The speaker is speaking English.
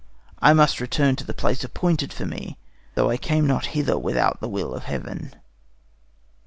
I must return to the place appointed for me, though I came not hither without the will of Heaven.'